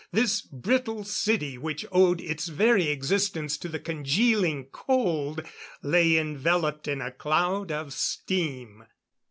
This brittle city which owed its very existence to the congealing cold, lay enveloped in a cloud of steam.